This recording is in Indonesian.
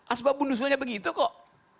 asbab undusulnya begitu kok